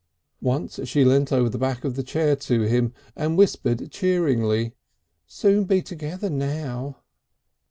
Once she leant over the back of the chair to him and whispered cheeringly: "Soon be together now."